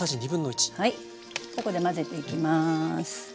ここで混ぜていきます。